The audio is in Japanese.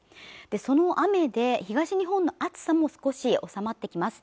その雨で東日本の暑さも少し収まってきます